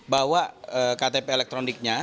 bawa ktp elektroniknya